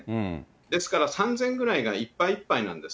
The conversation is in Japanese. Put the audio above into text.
ですから、３０００ぐらいがいっぱいいっぱいなんです。